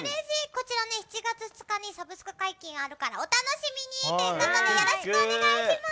こちら、７月２日にサブスク解禁あるからお楽しみにということでよろしくお願いします。